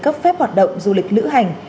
cấp phép hoạt động du lịch lữ hành